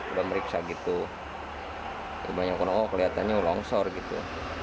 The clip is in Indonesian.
udah meriksa gitu kelihatannya longsor gitu